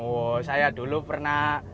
wah saya dulu pernah